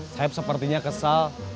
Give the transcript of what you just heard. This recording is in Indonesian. saya sepertinya kesal